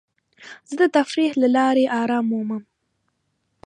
زه د تفریح له لارې ارام مومم.